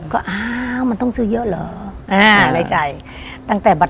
ก็อ้าวมันต้องซื้อเยอะเหรอ